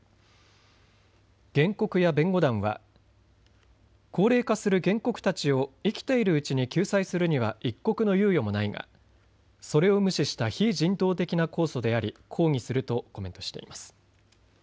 原告や弁護団は高齢化する原告たちを生きているうちに救済するには一刻の猶予もないがそれを無視した非人道的な控訴であり抗議するとコメントしています。